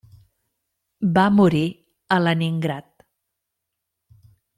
Va morir a Leningrad.